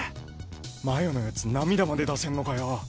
真夜のヤツ涙まで出せんのかよ